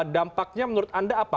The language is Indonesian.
dampaknya menurut anda apa